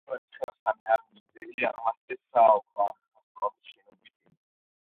პირველი ცხენოსანი არმიის ძეგლი აღმართეს საოლქო აღმასკომის შენობის წინ.